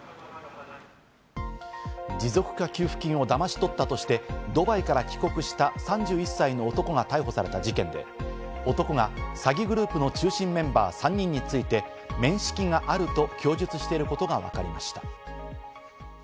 持続化給付金をだまし取ったとしてドバイから帰国した３１歳の男が逮捕された事件で、男は詐欺グループの中心メンバー３人について面識があると供述していることがわかりました。